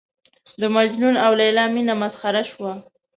د مجنون او لېلا مینه مسخره شوه.